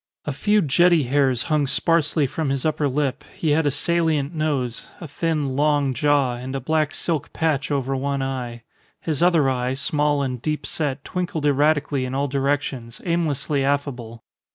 A few jetty hairs hung sparsely from his upper lip, he had a salient nose, a thin, long jaw, and a black silk patch over one eye. His other eye, small and deep set, twinkled erratically in all directions, aimlessly affable.